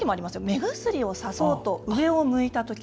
目薬をさそうと上を向いた時。